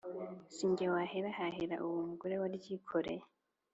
Si jye wahera hahera uwo mugore waryikoreye